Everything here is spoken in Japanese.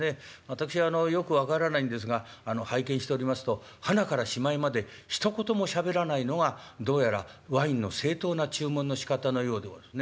私はよく分からないんですが拝見しておりますとはなからしまいまでひと言もしゃべらないのがどうやらワインの正当な注文のしかたのようでございますね。